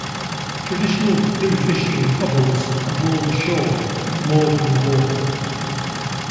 Traditional blue fishing cobles are hauled ashore or moored in the water.